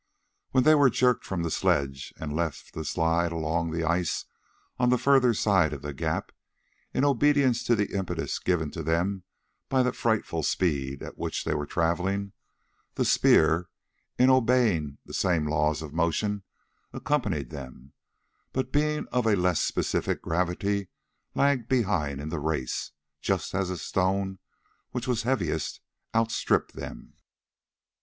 When they were jerked from the sledge, and left to slide along the ice on the further side of the gap, in obedience to the impetus given to them by the frightful speed at which they were travelling, the spear, obeying the same laws of motion, accompanied them, but, being of a less specific gravity, lagged behind in the race, just as the stone, which was heaviest, outstripped them.